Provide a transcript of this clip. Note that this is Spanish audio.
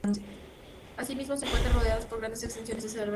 Así mismo se encuentra rodeada por grandes extensiones de selva virgen.